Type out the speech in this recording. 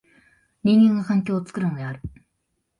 人間が環境を作るのである。